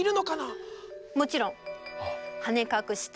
もちろん。